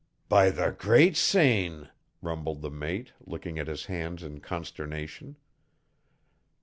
"By the Great Seine!" rumbled the mate, looking at his hands in consternation.